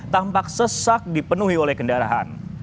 tampak sesak dipenuhi oleh kendaraan